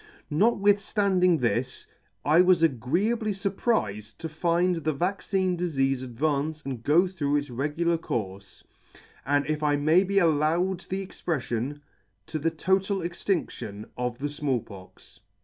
Notwithflanding this, I was agreeably furprifed to find the vaccine difeafe advance and go through its regular courfe ; and, if I may be allowed the expreflion, to the total extindion of the Small Pox."